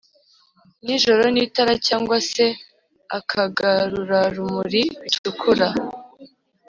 nijoro nitara cg se akagarurarumuri bitukura